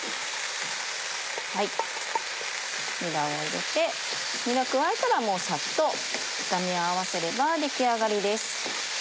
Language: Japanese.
にらを入れてにら加えたらサッと炒め合わせれば出来上がりです。